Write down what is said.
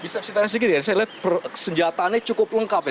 bisa ceritakan sedikit ya saya lihat senjatanya cukup lengkap ya